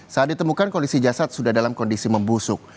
saat ditemukan kondisi jasad sudah dalam kondisi membusuk